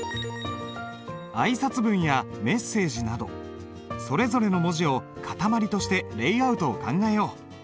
挨拶文やメッセージなどそれぞれの文字を塊としてレイアウトを考えよう。